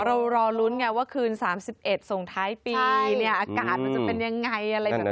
เรารอลุ้นไงว่าคืน๓๑ส่วนท้ายปีอากาศมันจะเป็นอย่างไร